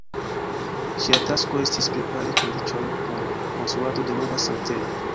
Ĝia tasko estis prepari kondiĉojn por konstruado de nova sanktejo.